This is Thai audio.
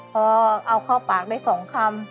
พอเอาเข้าปากได้๒คำ